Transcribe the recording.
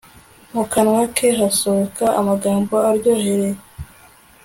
mu kanwa ke hasokoka amagambo aryohereye